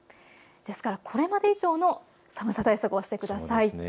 ですから、これまで以上の寒さ対策をしてください。